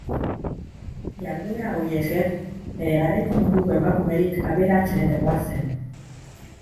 Jarduera hauei esker, bere garaiko munduko emakumerik aberatsenetakoa zen.